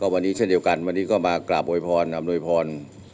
วันนี้เช่นเดียวกันก็มากราบอำนวยพร